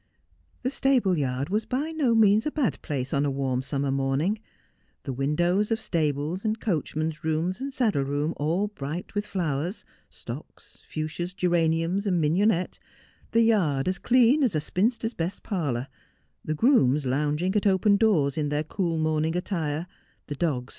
The stable yard was by no means a bad place upon a warm summer morning — the windows of stables and coachmen's rooms and saddle room all bright with flowers — stocks, fuchsias, geraniums, mignonette — the yard as clean as a spinster's best parlour, the grooms lounging at open doors in their cool morning attire, (he dogs 294 Just as I Am.